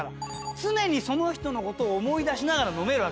常にその人のことを思い出しながら飲めるわけ。